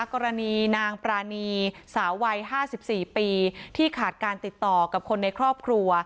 กรณีนางปรานีสาววัย๕๔ปีที่ขาดการติดต่อกับคนในครอบครัว